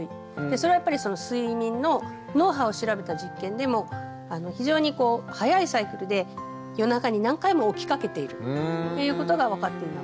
それはやっぱり睡眠の脳波を調べた実験でも非常に早いサイクルで夜中に何回も起きかけているということが分かっています。